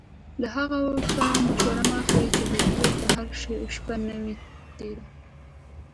له هغه چا مشوره مه اخلئ چې د کوره بهر شپه نه وي تېره.